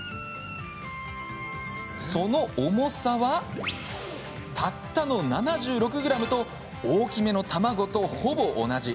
その重さはたったの７６ｇと大きめの卵と、ほぼ同じ。